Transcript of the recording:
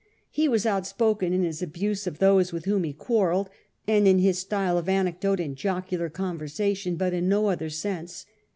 He was outspoken in his abuse of those with whom he quarrelled, and in his style of anecdote and jocular conversation ; but in no other sense.